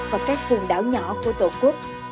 và các vùng đảo nhỏ của tổ quốc